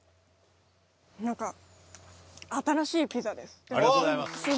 何か新しいピザです。